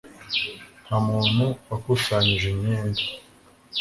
ntamuntu wakusanyije imyanda